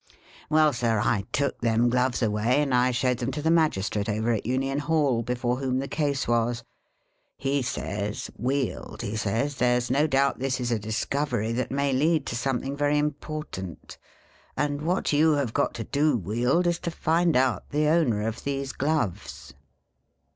" Well, Sir, I took them gloves away, and I showed 'em to the magistrate, over at Union Hall, before whom the case was. He says, ' Wield,' he says, ' there 's no doubt this is a discovery that may lead to something very important ; and what you have got to do, Wield, is, to find out the owner of these gloves.'